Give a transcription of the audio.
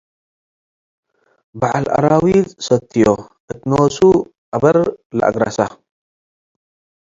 በዐል አራዊት ሰትዮ እት ኖሱ አበር ለአግረሰ